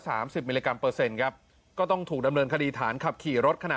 สิบมิลลิกรัมเปอร์เซ็นต์ครับก็ต้องถูกดำเนินคดีฐานขับขี่รถขณะ